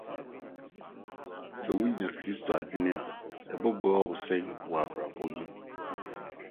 Sɛ wunya Kristo adwene a, ɛbɛboa wo sɛn wɔ w’asetena mu?